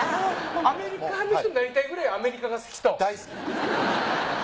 アメリカの人になりたいくらいアメリカが好きと？